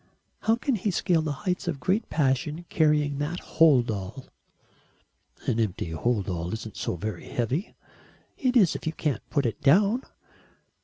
How can he scale the heights of a great passion carrying that hold all?" "An empty hold all isn't so very heavy." "It is if you can't put it down."